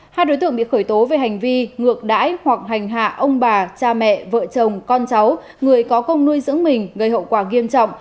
hai đối tượng bị khởi tố về hành vi ngược đãi hoặc hành hạ ông bà cha mẹ vợ chồng con cháu người có công nuôi dưỡng mình gây hậu quả nghiêm trọng